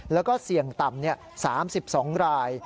แล้วก็เสี่ยงต่ำ๓๒ราย